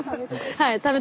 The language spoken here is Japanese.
はい。